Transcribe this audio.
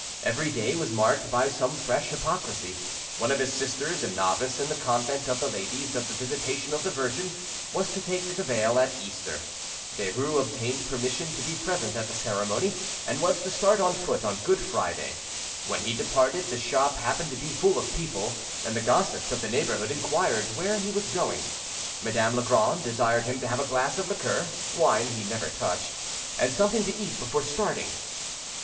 Every day was marked by some fresh hypocrisy. One of his sisters, a novice in the convent of the Ladies of the Visitation of the Virgin, was to take the veil at Easter. Derues obtained permission to be present at the ceremony, and was to start on foot on Good Friday. When he departed, the shop happened to be full of people, and the gossips of the neighbourhood inquired where he was going. Madame Legrand desired him to have a glass of liqueur (wine he never touched) and something to eat before starting.